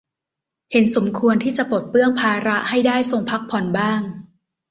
เห็นสมควรที่จะปลดเปลื้องภาระให้ได้ทรงพักผ่อนบ้าง